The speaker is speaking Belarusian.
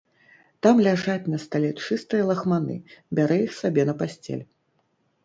Там ляжаць на стале чыстыя лахманы, бяры іх сабе на пасцель.